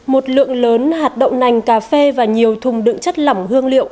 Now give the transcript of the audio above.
một lượng lớn hạt đậu nành cà phê và nhiều thùng đựng chất lỏng hương liệu